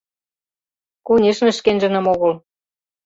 Конешне, шкенжыным огыл.